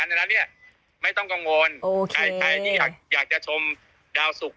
นั้นแล้วเนี้ยไม่ต้องกังวลโอเคใครใครที่อยากอยากจะชมดาวสุข